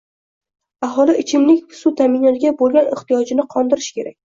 Aholini ichimlik suv taʼminotiga bo‘lgan ehtiyojini qondirish kerak.